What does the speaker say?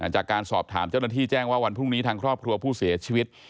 จากการสอบถามเจ้าหน้าที่แจ้งว่าวันพรุ่งนี้ทางครอบครัวผู้เสียชีวิต